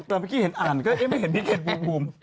แต่เมื่อกี้เห็นอ่านก็ไม่เห็นพี่เคนภูมิ